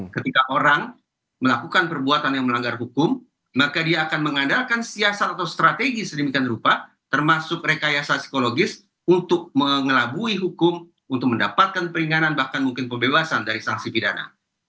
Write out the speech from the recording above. ketika orang melakukan perbuatan yang melanggar hukum maka dia akan mengandalkan siasat atau strategi sedemikian rupa termasuk rekayasa psikologis untuk mengelabui hukum untuk mendapatkan peringanan bahkan mungkin pembebasan dari sanksi pidana